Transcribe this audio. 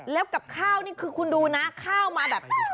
แล้วกับข้าวนี่คือคุณดูนะข้าวมาแบบ